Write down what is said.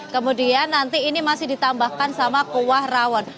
kemudian nanti ini masih ditambahkan sama kuah rawon